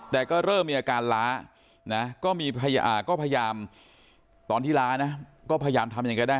แต่ก็เริ่มมีอาการล้านะก็พยายามตอนที่ล้านะก็พยายามทำยังไงได้